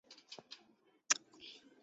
当时的伊拉克童军倡议委员会领导。